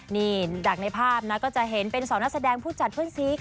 นี่จากในภาพนะก็จะเห็นเป็นสองนักแสดงผู้จัดเพื่อนซีค่ะ